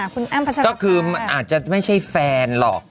คุณอ้ำพัชรก็คืออาจจะไม่ใช่แฟนหรอก